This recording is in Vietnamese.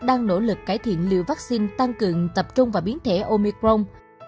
đang nỗ lực cải thiện liều vaccine tăng cường tập trung vào biến thể omicron